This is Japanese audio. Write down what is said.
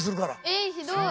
えっひどい。